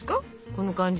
この感じ。